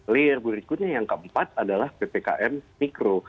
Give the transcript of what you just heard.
layer berikutnya yang keempat adalah ppkm mikro